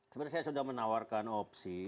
sebenarnya saya sudah menawarkan opsi